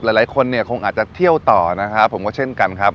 หลายคนเนี่ยคงอาจจะเที่ยวต่อนะครับผมก็เช่นกันครับ